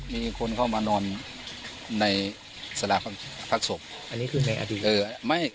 มีคนเข้ามานอนในสลาความพักศพอันนี้คือในอดีตเออไม่